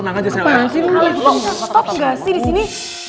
stop ga sih disini